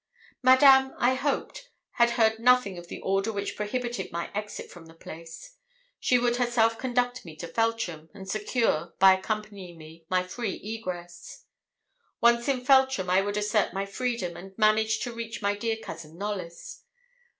Madame, I hoped, had heard nothing of the order which prohibited my exit from the place. She would herself conduct me to Feltram, and secure, by accompanying me, my free egress. Once in Feltram, I would assert my freedom, and manage to reach my dear cousin Knollys.